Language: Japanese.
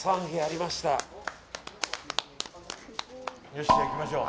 よしじゃあ行きましょう。